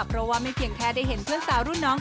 เพราะว่าไม่เพียงแค่ได้เห็นเพื่อนสาวรุ่นน้อง